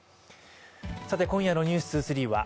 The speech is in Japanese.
さて今夜の「ｎｅｗｓ２３」は